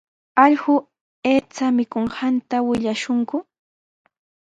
Allqu aycha mikunqanta willashunku.